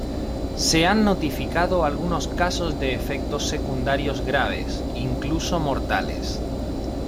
Se han notificado algunos casos de efectos secundarios graves, incluso mortales.